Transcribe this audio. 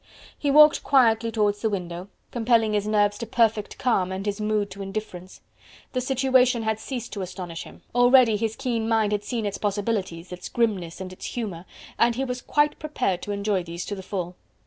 He walked quietly towards the window, compelling his nerves to perfect calm and his mood to indifference. The situation had ceased to astonish him; already his keen mind had seen its possibilities, its grimness and its humour, and he was quite prepared to enjoy these to the full.